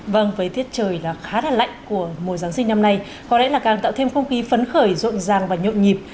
vâng với thiết trời khá là lạnh của mùa giáng sinh năm nay có lẽ là càng tạo thêm không khí phấn khởi rộn ràng và nhộn nhịp